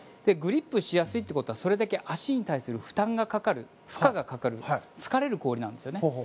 グリップしやすいということはそれだけ足に対する負担がかかる、負荷がかかる疲れる氷なんですよね。